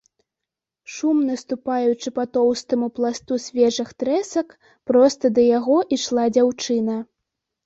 Шумна ступаючы па тоўстаму пласту свежых трэсак, проста да яго ішла дзяўчына.